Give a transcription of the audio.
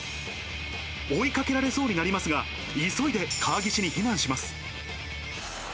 追いかけられそうになりますが、急いで川岸に避難します。